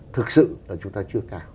thực sự là chúng ta chưa cao